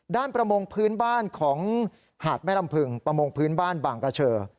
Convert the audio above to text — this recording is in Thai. ประมงพื้นบ้านของหาดแม่ลำพึงประมงพื้นบ้านบางกระเชอ